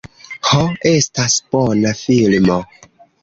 "Ho, estas bona filmo."